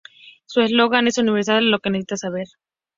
Su eslogan es "El Universal, lo que necesita saber".